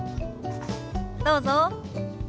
どうぞ。